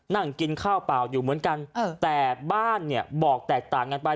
นั่งกินข้าวเปล่าอยู่เหมือนกันแต่บ้านเนี่ยบอกแตกต่างกันไป